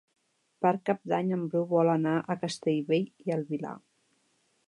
Per Cap d'Any en Bru vol anar a Castellbell i el Vilar.